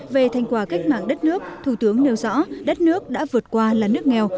về thành quả cách mạng đất nước thủ tướng nêu rõ đất nước đã vượt qua là nước nghèo